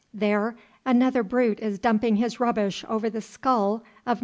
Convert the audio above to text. There, another brute is dumping his rubbish over the skull of No.